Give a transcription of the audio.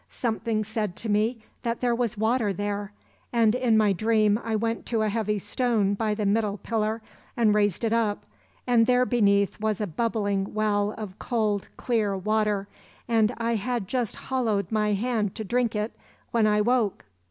Something said to me that there was water there, and in my dream I went to a heavy stone by the middle pillar and raised it up, and there beneath was a bubbling well of cold, clear water, and I had just hollowed my hand to drink it when I woke.